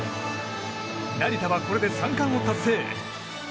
成田はこれで３冠を達成。